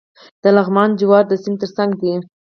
د لغمان جوار د سیند ترڅنګ دي.